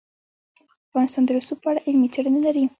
افغانستان د رسوب په اړه علمي څېړنې لري.